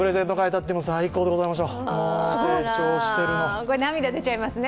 これ、涙出ちゃいますね。